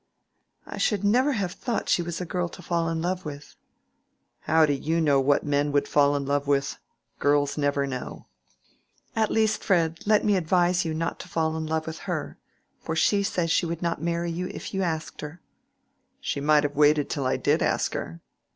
"I should never have thought she was a girl to fall in love with." "How do you know what men would fall in love with? Girls never know." "At least, Fred, let me advise you not to fall in love with her, for she says she would not marry you if you asked her." "She might have waited till I did ask her."